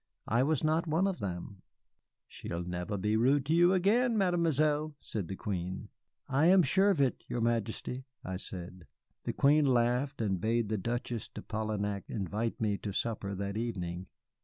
I was not one of them.' "'She'll never be rude to you again, Mademoiselle,' said the Queen. "'I am sure of it, your Majesty,' I said. "The Queen laughed, and bade the Duchesse de Polignac invite me to supper that evening.